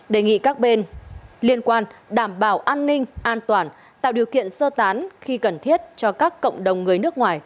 đề nghị các bên liên quan đảm bảo an ninh an toàn tạo điều kiện sơ tán khi cần thiết cho các cộng đồng người nước ngoài